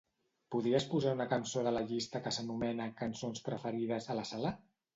Podries posar una cançó de la llista que s'anomena "cançons preferides" a la sala?